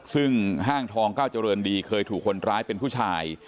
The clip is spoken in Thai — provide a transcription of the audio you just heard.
ซึ่งห้างทองก้าวเจริญดีเคยถูกคนร้ายเป็นผู้ชาย